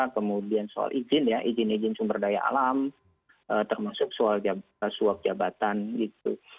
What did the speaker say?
kemudian soal izin ya izin izin sumber daya alam termasuk soal suap jabatan gitu